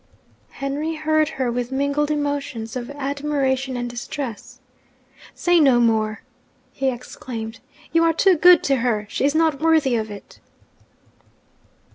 Henry heard her with mingled emotions of admiration and distress. 'Say no more!' he exclaimed. 'You are too good to her; she is not worthy of it.'